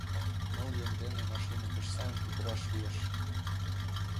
Ныл еҥ дене машиным пеш сайын пӱтыраш лиеш.